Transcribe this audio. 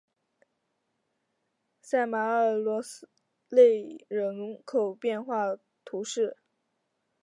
萨马尔索勒人口变化图示